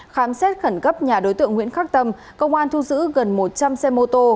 khám xét khẩn cấp nhà đối tượng nguyễn khắc tâm công an thu giữ gần một trăm linh xe mô tô